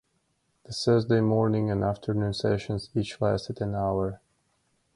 The Thursday morning and afternoon sessions each lasted an hour.